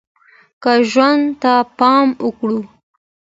که ژوند ته پام وکړو